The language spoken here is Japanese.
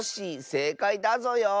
せいかいだぞよ。